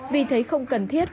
vì thấy không cần thiết